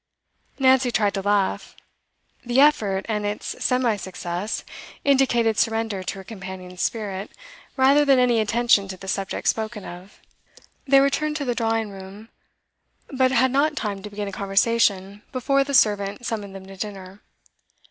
Nancy tried to laugh. The effort, and its semi success, indicated surrender to her companion's spirit rather than any attention to the subject spoken of. They returned to the drawing room, but had not time to begin a conversation before the servant summoned them to dinner.